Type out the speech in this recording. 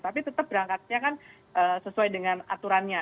tapi tetap berangkatnya kan sesuai dengan aturannya